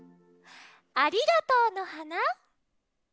「ありがとうの花」。